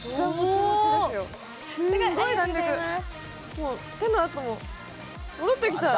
もう手の跡も戻ってきちゃう。